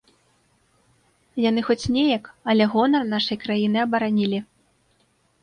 Яны хоць неяк, але гонар нашай краіны абаранілі.